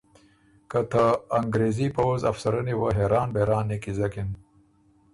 که ته انګرېزي پؤځ ا افسرنی وه حېران بېران نیکیزکِن